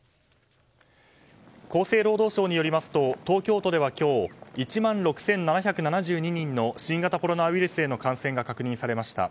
厚生労働省によりますと東京都では今日１万６７７２人の新型コロナウイルスへの感染が確認されました。